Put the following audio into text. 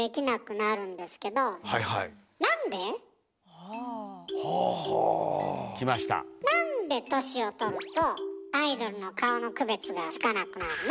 なんで年をとるとアイドルの顔の区別がつかなくなるの？